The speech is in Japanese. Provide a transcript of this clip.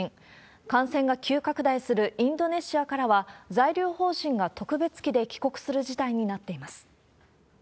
感染が急拡大するインドネシアからは、在留邦人が特別機で帰国する事態になっています。